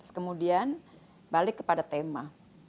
kemudian balik kepada tema